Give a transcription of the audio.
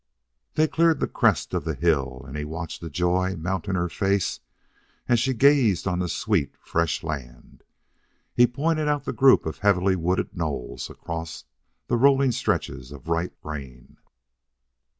They cleared the crest of the hill, and he watched the joy mount in her face as she gazed on the sweet, fresh land. He pointed out the group of heavily wooded knolls across the rolling stretches of ripe grain.